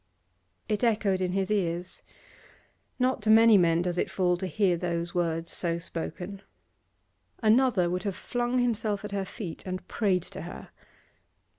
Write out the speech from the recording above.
It echoed in his ears; not to many men does it fall to hear those words so spoken. Another would have flung himself at her feet and prayed to her.